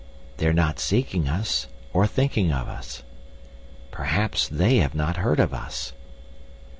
"They're not seeking us, or thinking of us." "Perhaps they have not heard of us."